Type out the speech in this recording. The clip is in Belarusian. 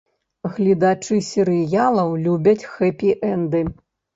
Гледачы серыялаў любяць хэпі-энды.